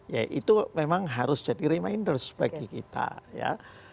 ya itu memang harus jadi reminders bagi kita ya